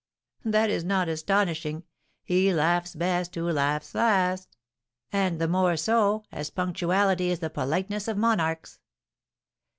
"That is not astonishing. 'He laughs best who laughs last!' And the more so, as 'Punctuality is the politeness of monarchs!'"